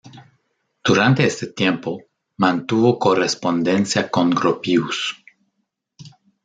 Durante ese tiempo mantuvo correspondencia con Gropius.